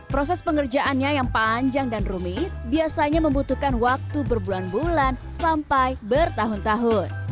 proses pengerjaannya yang panjang dan rumit biasanya membutuhkan waktu berbulan bulan sampai bertahun tahun